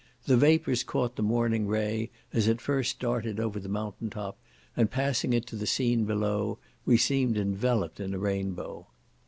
The vapours caught the morning ray, as it first darted over the mountain top, and passing it to the scene below, we seemed enveloped in a rainbow.